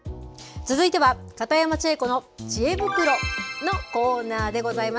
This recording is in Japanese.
続いては片山千恵子のちえ袋のコーナーでございます。